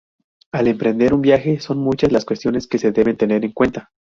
Al emprender un viaje son muchas las cuestiones que se deben tener en cuenta.